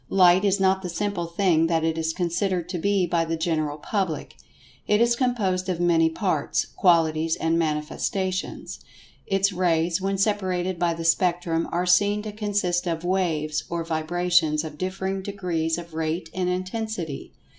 Light is not the simple thing that it is considered to be by the general public. It is composed of many parts, qualities and manifestations. Its rays, when separated by the Spectrum, are seen to consist of "waves" or vibrations of differing degrees of rate and intensity.